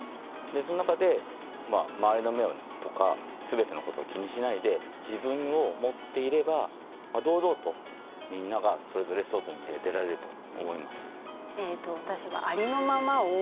その中で周りの目とか全てのことを気にしないで自分を持っていれば堂々とみんながそれぞれ外に出られると思います。